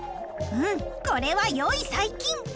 うんこれはよい細菌！